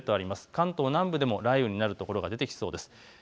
関東南部でも雷雨となる所が出てきそうです。